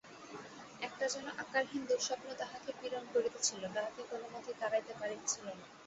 একটা যেন আকারহীন দুঃস্বপ্ন তাহাকে পীড়ন করিতেছিল, তাহাকে কোনোমতেই তাড়াইতে পারিতেছিল না।